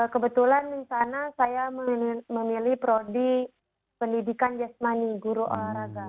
kebetulan misalnya saya memilih prodi pendidikan yasmani guru oaraga